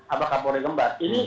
apakah kapolri kembar